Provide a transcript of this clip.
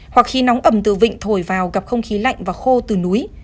hoặc khi nóng ẩm từ vịnh thổi vào gặp không khí lạnh và khô từ núi